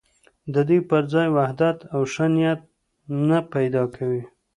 د دوی پر ځای وحدت او ښه نیت نه پیدا کوي.